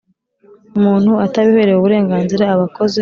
muntu atabiherewe uburenganzira aba akoze